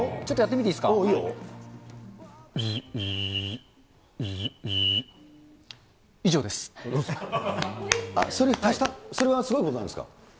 ちょっとやってみていいですか。